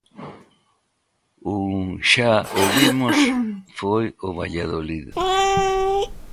Un, xa o vimos, foi o Valladolid.